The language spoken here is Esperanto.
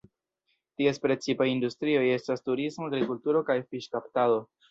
Ties precipaj industrioj estas turismo, agrikulturo, kaj fiŝkaptado.